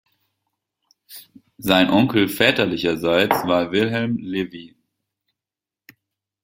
Sein Onkel väterlicherseits war Wilhelm Lewy.